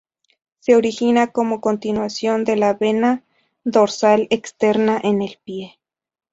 Se origina como continuación de la vena dorsal externa en el pie.